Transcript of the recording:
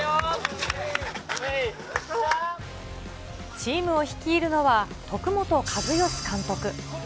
チームを率いるのは、徳本一善監督。